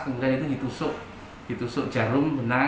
kemudian itu ditusuk jarum benang